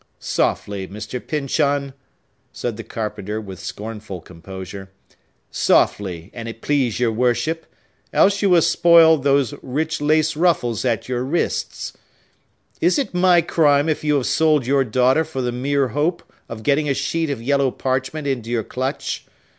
"Softly, Mr. Pyncheon!" said the carpenter with scornful composure. "Softly, an' it please your worship, else you will spoil those rich lace ruffles at your wrists! Is it my crime if you have sold your daughter for the mere hope of getting a sheet of yellow parchment into your clutch?